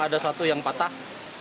ada satu yang patah